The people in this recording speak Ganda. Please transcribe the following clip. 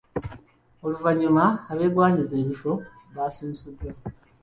Oluvannyuma abeegwanyiza ebifo baasunsuddwa